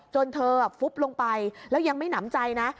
จนเธอฟุบลงไปแล้วยังไม่หนำใจนะ